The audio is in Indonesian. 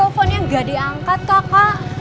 kok teleponnya gak diangkat kakak